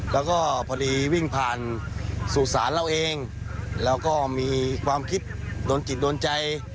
แล้วก็พอดีวิ่งผ่านสู่ศาลเราเองเราก็มีความคิดโดนจิตโดนใจ